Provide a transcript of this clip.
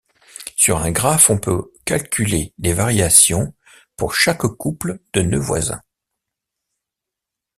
Sur un graphe, on peut calculer les variations pour chaque couples de nœuds voisins.